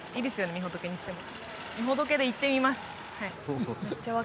みほとけにしてもみほとけでいってみます